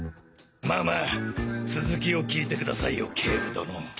まあまあ続きを聞いてくださいよ警部殿。